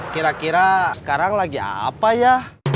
kira kira sekarang lagi apa ya